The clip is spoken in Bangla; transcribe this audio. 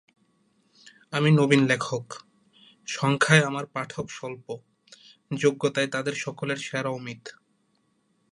আমি নবীন লেখক, সংখ্যায় আমার পাঠক স্বল্প, যোগ্যতায় তাদের সকলের সেরা অমিত।